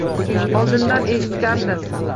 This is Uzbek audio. Oldin eshitgandim.